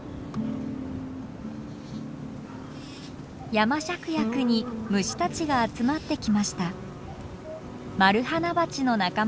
ヤマシャクヤクに虫たちが集まってきました。